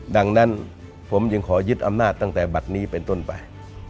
ดังนั้นผมจึงขอยึดอำนาจตั้งแต่บัตรนี้เป็นต้นไป